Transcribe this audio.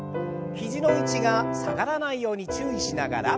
肘の位置が下がらないように注意しながら。